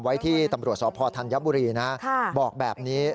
ไว้ที่ตำรวจสพธัญบุรีนะบอกแบบนี้